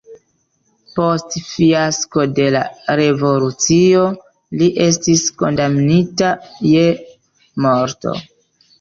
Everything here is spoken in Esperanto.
Post fiasko de la revolucio li estis kondamnita je morto.